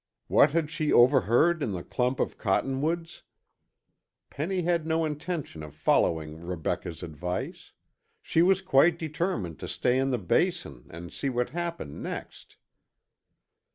What had she overheard in the clump of cottonwoods? Penny had no intention of following Rebecca's advice. She was quite determined to stay in the Basin and see what happened next.